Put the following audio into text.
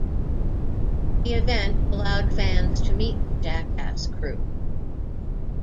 The event allowed fans to meet the "Jackass" crew.